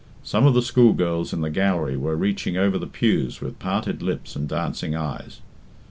Some of the school girls in the gallery were reaching over the pews with parted lips and dancing eyes.